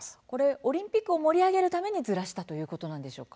オリンピックを盛り上げるためにずらしたんでしょうか。